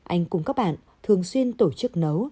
anh cùng các bạn thường xuyên tổ chức nấu